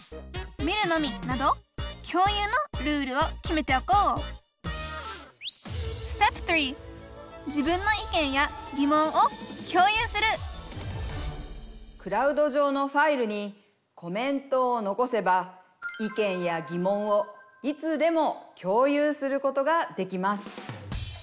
「見るのみ」など共有のルールを決めておこうクラウド上のファイルにコメントを残せば意見や疑問をいつでも共有することができます。